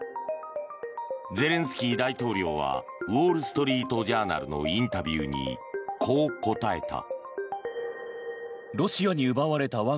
ゼレンスキー大統領はウォール・ストリート・ジャーナルのインタビューにこう答えた。